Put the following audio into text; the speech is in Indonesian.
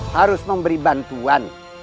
harus memberi bantuan